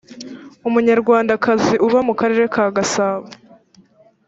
umunyarwandakazi uba mu karere ka gasabo